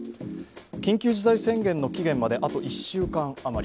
緊急事態宣言の期限まであと１週間余り。